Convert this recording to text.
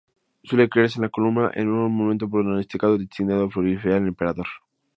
Suele creerse que la columna era un monumento propagandístico, destinado a glorificar al emperador.